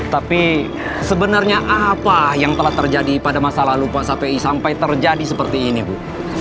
tapi sebenarnya apa yang telah terjadi pada masa lalu pak sapi sampai terjadi seperti ini bu